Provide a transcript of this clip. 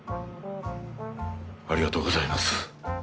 ありがとうございます。